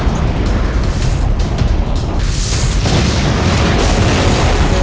jangan lupa valley